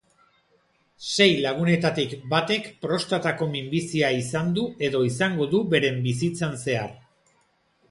Sei lagunetatik batek prostatako minbizia izan du edo izango du beren bizitzan zehar.